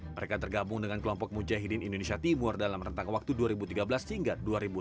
mereka tergabung dengan kelompok mujahidin indonesia timur dalam rentang waktu dua ribu tiga belas hingga dua ribu dua puluh